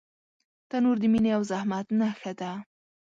تنور د مینې او زحمت نښه ده